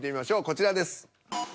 こちらです。